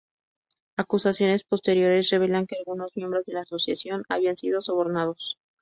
Acusaciones posteriores revelaron que algunos miembros de la Asociación habían sido sobornados.